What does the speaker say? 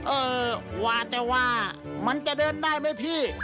เออว่าแต่ว่ามันจะเดินได้ไหมพี่